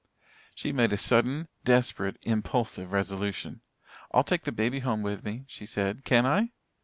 She made a sudden, desperate, impulsive resolution. "I'll take the baby home with me," she said. "Can I?"